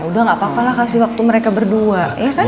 udah gak apa apalah kasih waktu mereka berdua ya kan